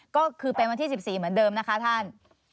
ก็คือเป็นวันที่๑๔เหมือนเดิมนะคะท่าน